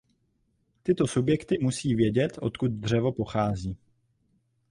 Tyto subjekty musí vědět, odkud dřevo pochází.